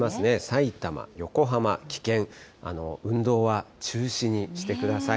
さいたま、横浜、危険、運動は中止してください。